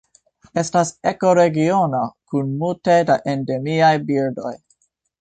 Estas ekoregiono kun multe da endemiaj birdoj.